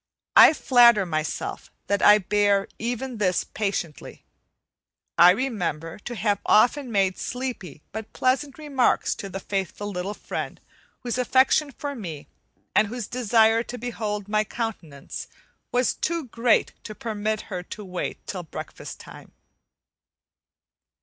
I flatter myself that I bear even this patiently; I remember to have often made sleepy but pleasant remarks to the faithful little friend whose affection for me and whose desire to behold my countenance was too great to permit her to wait till breakfast time.